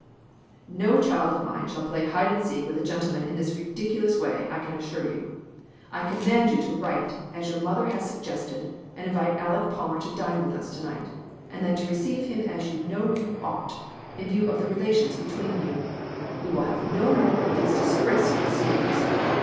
"No child of mine shall play hide and seek with a gentleman in this ridiculous way, I can assure you. I command you to write, as your mother has suggested, and invite Aleck Palmer to dine with us to night, and then to receive him as you know you ought, in view of the relations between you ; we will have no more of these dis graceful scenes.